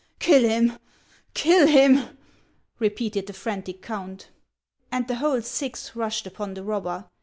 " Kill him ! kill him !" repeated the frantic count. And the whole six rushed upon the robber.